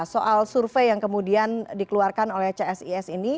soal survei yang kemudian dikeluarkan oleh csis ini